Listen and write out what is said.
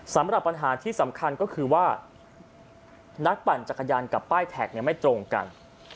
สำหรับปัญหาที่สำคัญก็คือว่านักปั่นจักรยานกับป้ายแท็กไม่ตรงกัน